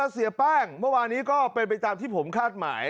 เสียแป้งเมื่อวานนี้ก็เป็นไปตามที่ผมคาดหมาย